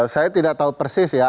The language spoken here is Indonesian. saya tidak tahu persis ya